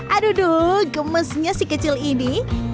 aduh gemesnya si kecil ini